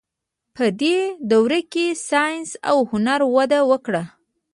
په دې دوره کې ساینس او هنر وده وکړه.